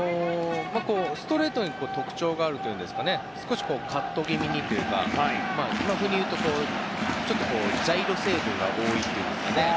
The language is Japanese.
ストレートに特徴があるといいますか少しカット気味にというか今ふうに言うとちょっとジャイロセーブが多いというんですかね。